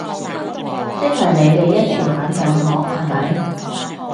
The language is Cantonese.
即係你哋一直玩緊我，係咪？